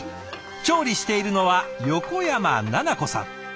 調理しているのは横山菜々子さん。